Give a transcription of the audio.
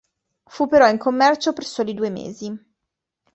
Fu però in commercio per soli due mesi.